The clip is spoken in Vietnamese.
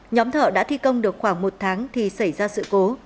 nhóm thợ đã thi công được khoảng một tháng thì xảy ra sự cố